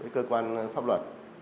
cơ quan pháp luật